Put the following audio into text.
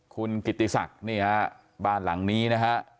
คุณกิติศักดิ์นี่ฮะบ้านหลังนี้นะฮะ